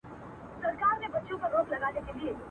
د ځنګله په پاچهي کي هر څه کېږي..